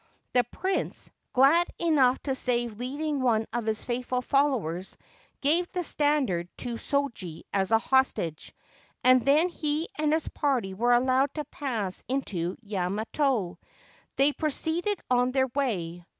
The prince, glad enough to save leaving one of his faithful followers, gave the standard to Shoji as hostage, and then he and his party were allowed to pass into Yamato. They proceeded on their way.